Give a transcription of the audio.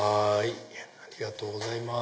ありがとうございます。